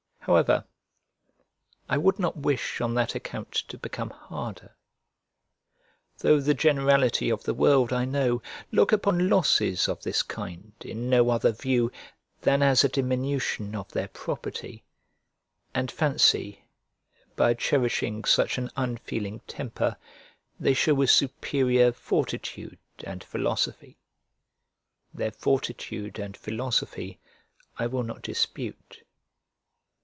However, I would not wish on that account to become harder: though the generality of the world, I know, look upon losses of this kind in no other view than as a diminution of their property, and fancy, by cherishing such an unfeeling temper, they show a superior fortitude and philosophy. Their fortitude and philosophy I will not dispute.